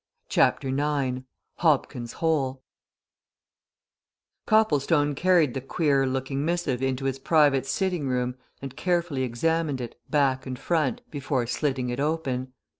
CHAPTER IX HOBKIN'S HOLE Copplestone carried the queer looking missive into his private sitting room and carefully examined it, back and front, before slitting it open.